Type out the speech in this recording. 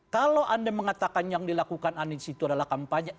kalau anda mengatakan yang dilakukan anis itu adalah kampanye